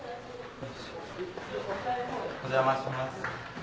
お邪魔します。